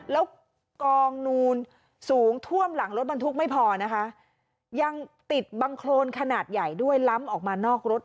แล้วกองนูนสูงท่วมหลังรถบรรทุกไม่พอนะคะยังติดบังโครนขนาดใหญ่ด้วยล้ำออกมานอกรถ